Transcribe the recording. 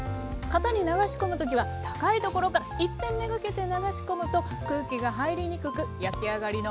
型に流し込む時は高いところから一点めがけて流し込むと空気が入りにくく焼き上がりの穴を防げます。